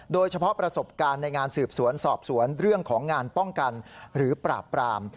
โดยเฉพาะประสบการณ์ในงานสืบสวนสอบสวนเรื่องของงานป้องกันหรือปราบปราม